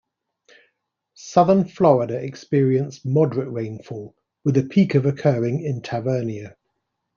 Southern Florida experienced moderate rainfall, with a peak of occurring in Tavernier.